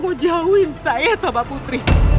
terlalu terlalu besar